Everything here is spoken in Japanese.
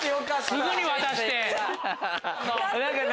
すぐに渡して。